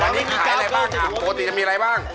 วันนี้ขายอะไรบ้างครับปกติจะมีอะไรบ้าง